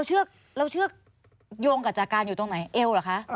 เชือกแล้วเชือกโยงกับจากการอยู่ตรงไหนเอวเหรอคะ